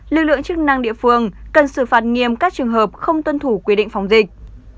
lực lượng chức năng địa phương cần xử phạt nghiêm các trường hợp không tuân thủ quy định phòng dịch